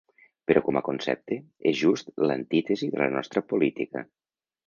Però com a concepte, és just l’antítesi de la nostra política.